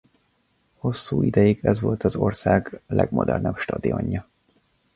Hosszú ideig ez volt az ország legmodernebb stadionja.